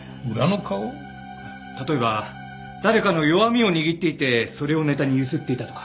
例えば誰かの弱みを握っていてそれをネタにゆすっていたとか。